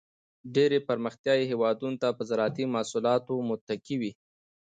ډېری پرمختیایي هېوادونه په زراعتی محصولاتو متکی وي.